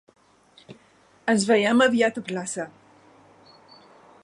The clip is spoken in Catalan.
Ens veiem aviat a plaça.